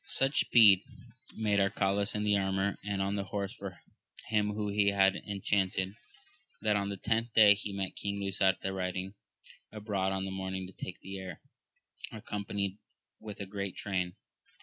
UCH speed made Arcalaus in the armour and on the horse of him whom he had en chanted, that on the tenth day he met King Lisuarte riding abroad in the morning to take the air, accompanied with a great train.